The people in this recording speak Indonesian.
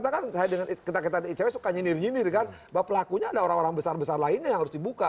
saya ketahui dengan kita di icw suka nyinir nyinir kan bahwa pelakunya ada orang orang besar besar lainnya yang harus dibuka